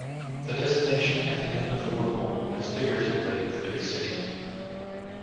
The destination at the end of the wormhole is figuratively "the big city".